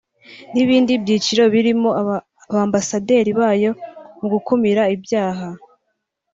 n’ibindi byiciro birimo Abambasaderi bayo mu gukumira ibyaha